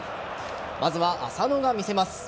まずは、浅野が見せます。